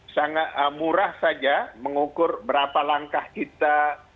sangat murah saja mengukur berapa langkah kita